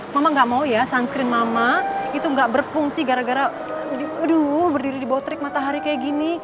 mama gak mau ya sunscreen mama itu nggak berfungsi gara gara waduh berdiri di bawah trik matahari kayak gini